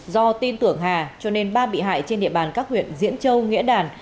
do tin tưởng hà cho nên ba bị hại trên địa bàn các huyện diễn châu nghĩa đàn